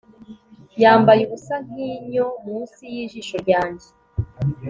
Yambaye ubusa nkinyo munsi yijisho ryanjye